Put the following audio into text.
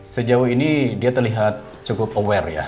sejauh ini dia terlihat cukup aware ya